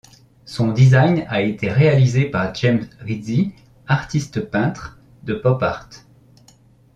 Son design a été réalisé par James Rizzi, artiste peintre de pop art.